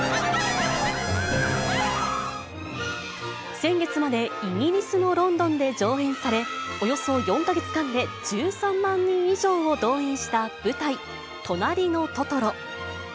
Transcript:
先月までイギリスのロンドンで上演され、およそ４か月間で１３万人以上を動員した舞台、となりのトトロ。